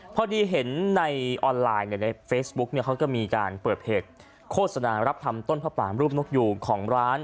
พอดีเห็นในออนไลน์ในเฟซบุ๊กเนี่ยเขาก็มีการเปิดเพจโฆษณารับทำต้นผ้าป่ามรูปนกยูงของร้าน